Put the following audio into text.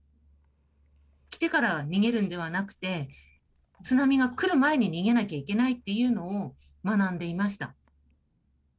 来てから逃げるんではなくて、津波が来る前に逃げなきゃいけないというのを学んでいました。